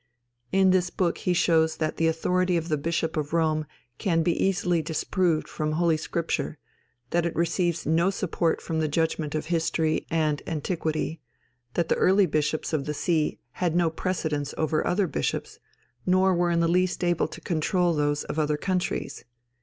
In this book he shows that the authority of the Bishop of Rome can easily be disproved from Holy Scripture, that it receives no support from the judgment of history and antiquity, that the early bishops of that see had no precedence over other bishops, nor were in the least able to control those of other countries.